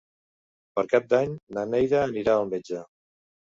Per Cap d'Any na Neida anirà al metge.